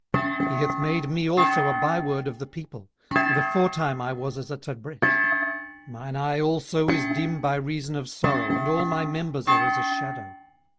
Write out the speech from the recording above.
18:017:006 He hath made me also a byword of the people; and aforetime I was as a tabret. 18:017:007 Mine eye also is dim by reason of sorrow, and all my members are as a shadow.